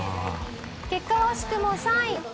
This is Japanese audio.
結果は惜しくも３位。